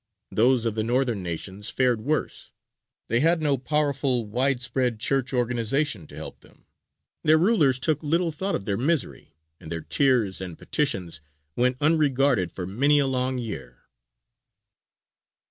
Those of the Northern nations fared worse: they had no powerful, widespread Church organization to help them, their rulers took little thought of their misery, and their tears and petitions went unregarded for many a long year.